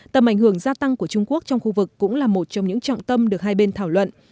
tầm ảnh hưởng gia tăng của trung quốc trong khu vực cũng là một trong những trọng tâm được hai bên thảo luận